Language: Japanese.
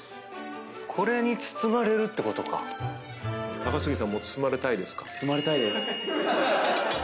高杉さんも包まれたいですか？